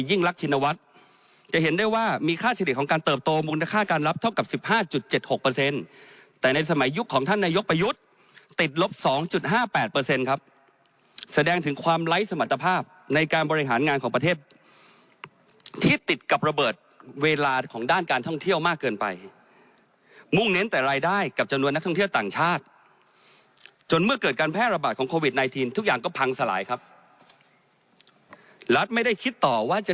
ยิ่งลักษณวัตรจะเห็นได้ว่ามีค่าเฉลี่ยของการเติบโตมูลค่าการรับเท่ากับ๑๕๗๖เปอร์เซ็นต์แต่ในสมัยยุคของท่านนายยกประยุทธติดลบ๒๕๘เปอร์เซ็นต์ครับแสดงถึงความไร้สมรรถภาพในการบริหารงานของประเทศที่ติดกับระเบิดเวลาของด้านการท่องเที่ยวมากเกินไปมุ่งเน้นแต่รายได้กับจำนว